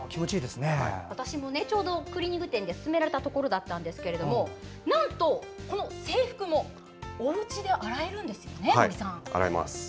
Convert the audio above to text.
私もちょうどクリーニング店で勧められたところだったんですがなんと制服もおうちで洗えるんですよね。